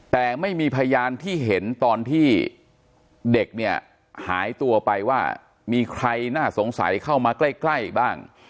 แต่ไม่มีพยานที่เห็นตอนที่เด็กเนี่ยหายตัวไปว่ามีใครน่าสงสัยเข้ามาใกล้บ้าง